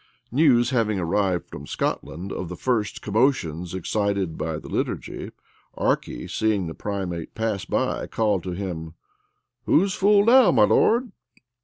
News having arrived from Scotland of the first commotions excited by the liturgy, Archy, seeing the primate pass by, called to him, "Who's fool now, my lord?"